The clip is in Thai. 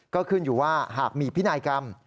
ก็ขึ้นอยู่ว่าหากมีพินัยกรรม